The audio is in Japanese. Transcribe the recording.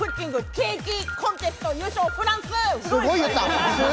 ケーキコンテスト優勝、フランス。